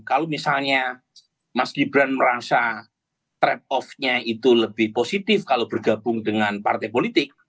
kalau misalnya mas gibran merasa trap off nya itu lebih positif kalau bergabung dengan partai politik